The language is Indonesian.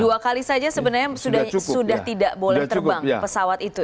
dua kali saja sebenarnya sudah tidak boleh terbang pesawat itu